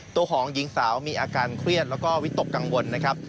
ตัวของหญิงสาวมีอาการเครียดแล้วก็วิตกกังวลนะครับ